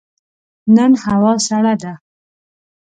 نن هوا سړه ده.